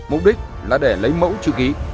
mục đích là để lấy mẫu chữ ký